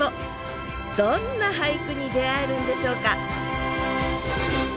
どんな俳句に出会えるんでしょうか？